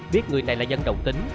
biết người này là dân đồng tính